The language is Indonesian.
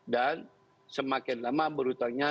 dan semakin lama berhutangnya